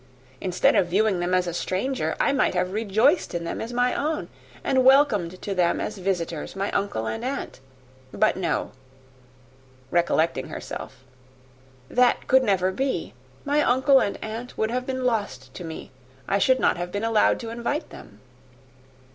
Instead of viewing them as a stranger, I might have rejoiced in them as my own, and welcomed to them as visitors my uncle and aunt. But, no," recollecting herself, "that could never be; my uncle and aunt would have been lost to me; I should not have been allowed to invite them."